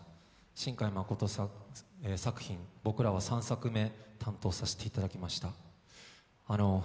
新海誠さん作品、僕らは３作目担当させていただきました。